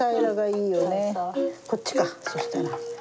こっちかそしたら。